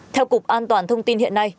theo cục an toàn thông tin hiện nay